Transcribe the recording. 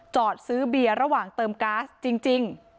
จอดซื้อเบียร์ระหว่างเติมก๊าซจริง